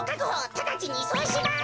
ただちにいそうします！